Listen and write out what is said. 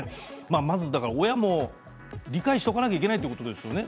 まず親も理解しておかないといけないということですよね。